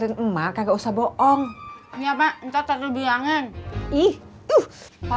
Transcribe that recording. tentang hal hal yang berbeda